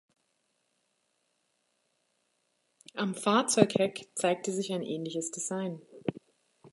Am Fahrzeugheck zeigte sich ein ähnliches Design.